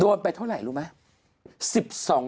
ไปเท่าไหร่รู้ไหม